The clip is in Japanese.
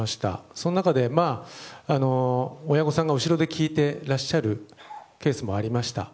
その中で、親御さんたちが後ろで聞いてらっしゃるケースもありました。